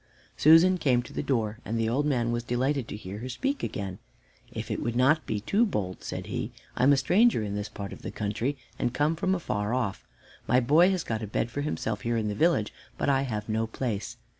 Susan came to the door, and the old man was delighted to hear her speak again. "If it would not be too bold," said he, "I'm a stranger in this part of the country, and come from afar off. My boy has got a bed for himself here in the village; but I have no place.